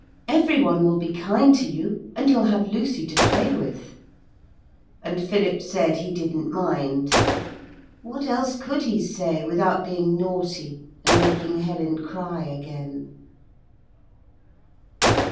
'Every one will be kind to you, and you'll have Lucy to play with.' And Philip said he didn't mind. What else could he say, without being naughty and making Helen cry again?